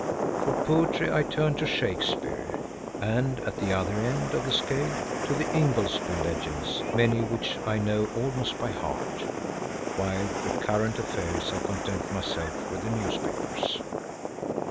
For poetry I turn to Shakespeare, and, at the other end of the scale, to the Ingoldsby Legends, many of which I know almost by heart, while for current affairs I content myself with the newspapers.